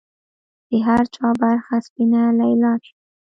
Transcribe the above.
د هر چا برخه سپینه لیلا شي